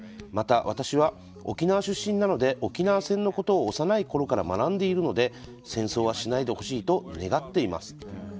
私は沖縄出身なので沖縄戦のことを幼いころから学んでいるので戦争はしないでほしいと願っていますと。